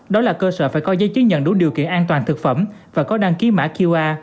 đó là cơ sở phải có giấy chứng nhận đủ điều kiện an toàn thực phẩm và có đăng ký mã qr